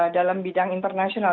dalam bidang internasional